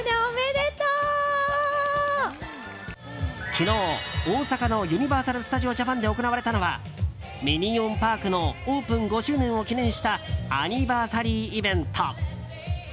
昨日、大阪のユニバーサル・スタジオ・ジャパンで行われたのはミニオン・パークのオープン５周年を記念したアニバーサリーイベント。